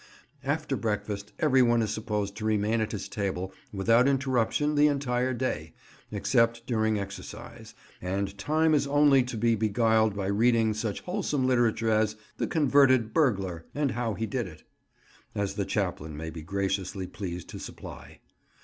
After breakfast everyone is supposed to remain at his table without interruption the entire day, except during exercise, and time is only to be beguiled by reading such wholesome literature as "The Converted Burglar, and how he did it," as the chaplain may be graciously pleased to supply.